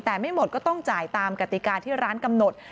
แต่ไม่หมดก็ต้องจ่ายตามกติกาที่ร้านกำหนด